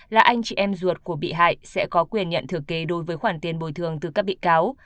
là anh chị em ruột của bị hại sẽ có quyền nhận thừa kế đối với khoản tiền bồi thường từ các bị cáo